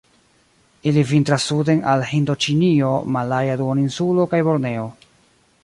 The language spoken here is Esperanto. Ili vintras suden al Hindoĉinio, Malaja Duoninsulo kaj Borneo.